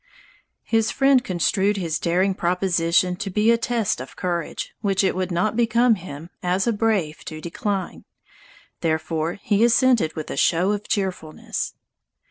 His friend construed his daring proposition to be a test of courage, which it would not become him, as a brave, to decline; therefore he assented with a show of cheerfulness.